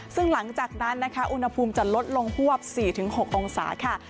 ซึ่งหลังจากนั้นนะคะอุณหภูมิจะลดลงฮวบ๔๖องศาค่ะ